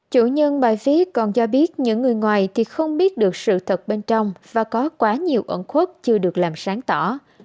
chủ nhân bài viết còn cho biết những người ngoài thì không biết được sự thật bên trong và có quá nhiều ẩn khuất chưa được làm sáng tỏ